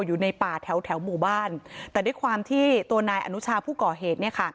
อยู่ในป่าแถวแถวหมู่บ้านแต่ด้วยความที่ตัวนายอนุชาผู้ก่อเหตุเนี่ยค่ะ